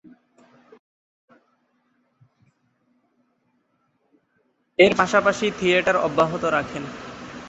এর পাশাপাশি থিয়েটার অব্যাহত রাখেন।